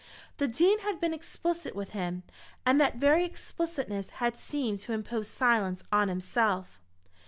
The Dean had been explicit with him, and that very explicitness had seemed to impose silence on himself.